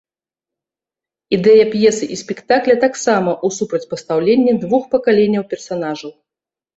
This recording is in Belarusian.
Ідэя п'есы і спектакля таксама ў супрацьпастаўленні двух пакаленняў персанажаў.